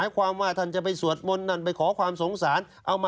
ค่ะแบบนี้จะพึ่งกฎหมายพึ่งตำรวจ